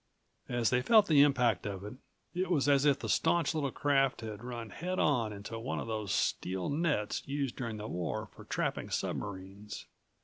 As they felt the impact of it, it was as if the staunch little craft had run head on into one of those steel nets used during the war for trapping submarines.